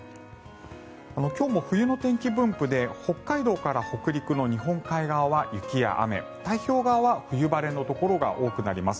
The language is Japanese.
今日も冬の天気分布で北海道から北陸の日本海側は雪や雨太平洋側は冬晴れのところが多くなります。